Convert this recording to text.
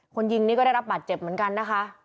คนยิงนี่ก็ได้รับบาดเจ็บเหมือนกันนะคะ